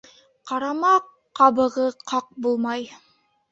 Ҡарама ҡабығы ҡаҡ булмай